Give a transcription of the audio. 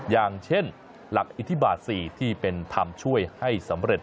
อย่างเช่นหลักอิทธิบาท๔ที่เป็นธรรมช่วยให้สำเร็จ